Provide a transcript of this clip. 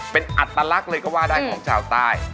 เป็นอัตลักษณ์เลยก็ว่าได้ของชาวใต้